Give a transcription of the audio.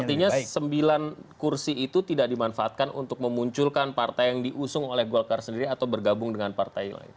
artinya sembilan kursi itu tidak dimanfaatkan untuk memunculkan partai yang diusung oleh golkar sendiri atau bergabung dengan partai lain